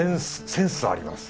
センスあります